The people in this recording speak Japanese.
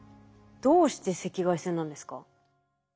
どうして赤外線なんですか？